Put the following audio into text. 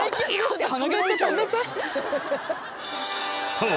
［そう。